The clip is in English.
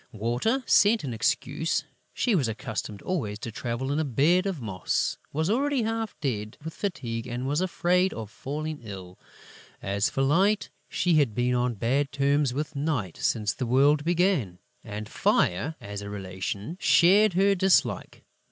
Water sent an excuse: she was accustomed always to travel in a bed of moss, was already half dead with fatigue and was afraid of falling ill. As for Light, she had been on bad terms with Night since the world began; and Fire, as a relation, shared her dislike.